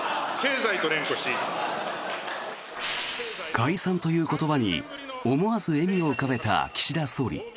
解散という言葉に思わず笑みを浮かべた岸田総理。